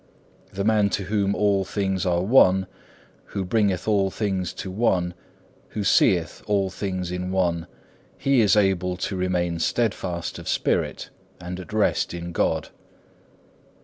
The man to whom all things are one, who bringeth all things to one, who seeth all things in one, he is able to remain steadfast of spirit, and at rest in God.